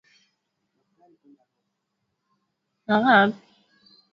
Ma mpango sasa inakuwa beyi sana